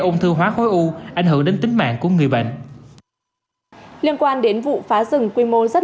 ung thư hóa khối u ảnh hưởng đến tính mạng của người bệnh liên quan đến vụ phá rừng quy mô rất